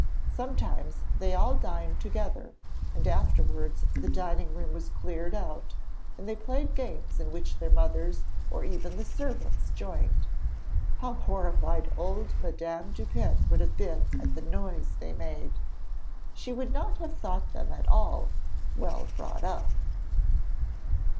Sometimes they all dined together and afterwards the dining room was cleared out, and they played games in which their mothers or even the servants joined. How horrified old Madame Dupin would have been at the noise they made! She would not have thought them at all 'well brought up.'